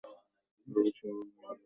রোগীর সর্বাঙ্গ হিমের মতো ঠাণ্ডা হয়ে গেল।